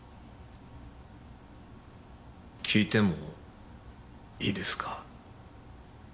訊いてもいいですか？